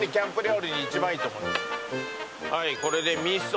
はいこれで味噌。